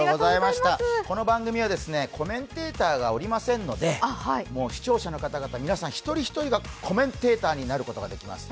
この番組はコメンテーターがおりませんので、視聴者の方々皆さん一人一人がコメンテーターになることができます。